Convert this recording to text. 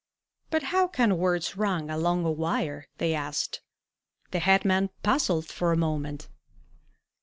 "But how can words run along a wire?" they asked. The head man puzzled for a moment.